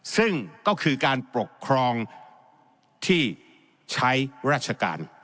ซึ่งก็คือการปกครองที่ใช้ราชการ